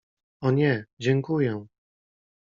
— O nie, dziękuję.